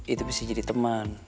itu bisa jadi temen